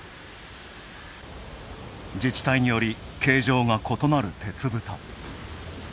自治体により形状が異なる鉄ぶた。